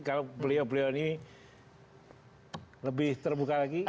kalau beliau beliau ini lebih terbuka lagi